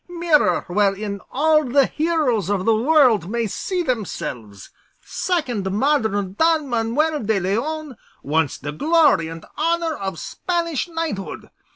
Mirror, wherein all the heroes of the world may see themselves! Second modern Don Manuel de Leon, once the glory and honour of Spanish knighthood!